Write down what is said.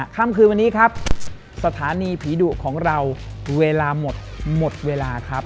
ค่ำคืนวันนี้ครับสถานีผีดุของเราเวลาหมดหมดเวลาครับ